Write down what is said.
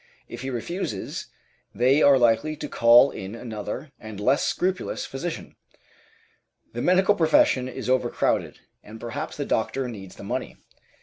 If he refuses, they are likely to call in another and less scrupulous physician. The medical profession is overcrowded, and perhaps the doctor needs the money.